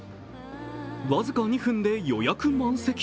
僅か２分で予約満席。